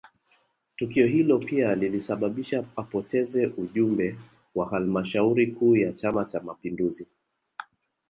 Tukio hilo pia lilisababisha apoteze ujumbe wa halmashauri kuu ya chama cha mapinduzi